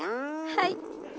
はい。